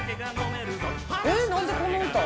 「えっなんでこの歌？」